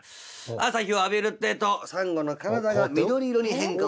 朝日を浴びるってえとサンゴの体が緑色に変化をしてまいりまして。